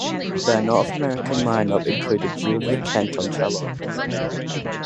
Their North American line-up included Julia Kent on cello.